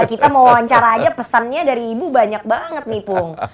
kita mau wawancara aja pesannya dari ibu banyak banget nih pung